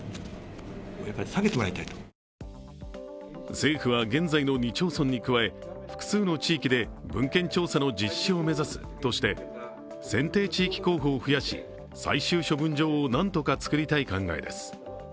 政府は現在の２町村に加え、複数の地域で文献調査の実施を目指すとして選定地域候補を増やし最終処分場をなんとかつくりたい考えです。